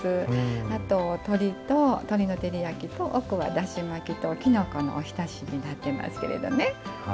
あと、鶏の照り焼きと奥は出しまきと、きのこのおひたしになっていますけれどね。